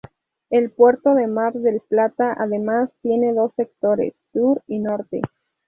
El puerto de Mar del Plata, además, tiene dos sectores: Sur y Norte.